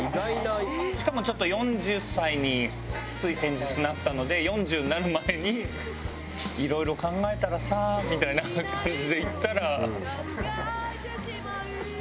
しかもちょっと４０歳につい先日なったので４０になる前にいろいろ考えたらさあみたいな感じで言ったら。